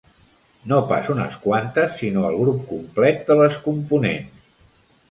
No pas unes quantes sinó el grup complet de les components.